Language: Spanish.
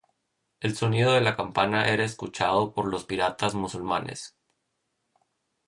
El sonido de la campana era escuchado por los piratas musulmanes.